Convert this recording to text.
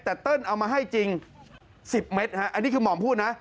แต่เติ้ลเอามาให้จริง๑๐เมตรอันนี้คือหม่อมพูดนะ